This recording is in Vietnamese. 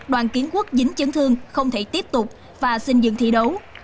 đoàn kiến quốc dính chấn thương không thể tiếp tục và xin dừng thi đấu